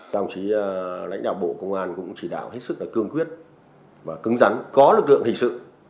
đồng chí lãnh đạo bộ công an cũng chỉ đạo hết sức là cương quyết và cứng rắn có lực lượng hình sự